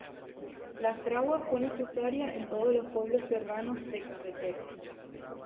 La Fragua fue necesaria en todos los pueblos serranos de carreteros.